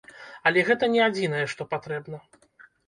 Але гэта не адзінае, што патрэбна.